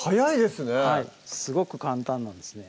すごく簡単なんですね